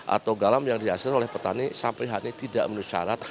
atau garam yang dihasilkan oleh petani sampai hari ini tidak menyesalat